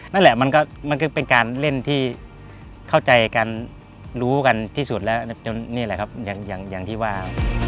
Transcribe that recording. นั่นแหละมันก็เป็นการเล่นที่เข้าใจกันรู้กันที่สุดแล้วนี่แหละครับอย่างที่ว่า